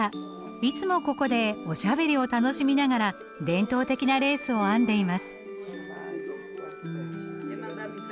いつもここでおしゃべりを楽しみながら伝統的なレースを編んでいます。